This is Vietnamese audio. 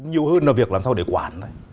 nhiều hơn là việc làm sao để quản